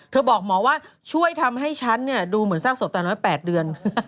บอกหมอว่าช่วยทำให้ฉันดูเหมือนซากศพตาน้อย๘เดือน